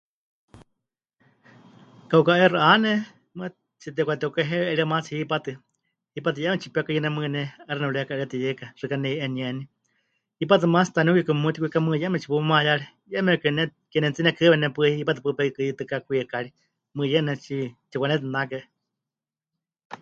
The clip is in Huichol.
Kauka 'aixɨ 'ane, tsitepɨkateukaheiwe'erie maatsi hipátɨ , hipátɨ yeme tsipekuyɨne mɨɨkɨ ne 'aixɨ nepɨreka'eríetɨyeika, xɨka ne'i'enieni, hipátɨ maatsi taniukikɨ memutikwika mɨɨkɨ yeme tsipumayáre, yemekɨ ne ke nemɨtinekɨhɨawe ne paɨ 'I 'i hipátɨ paɨ pekɨyɨtɨká kwikari, mɨɨkɨ yeme tsi.... tsipɨkanetinake.